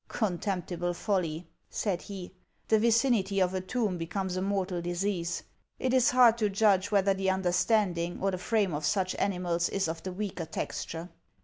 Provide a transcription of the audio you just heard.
'Contemptible folly!' said he, 'The vicinity of a tomb becomes a mortal disease. It is hard to judge whether the understanding or the frame of such animals is of the weaker texture.